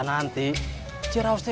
dari si curasa